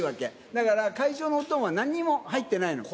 だから会場の音は何も入ってないの。